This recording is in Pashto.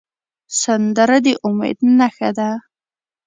سندره د امید نښه ده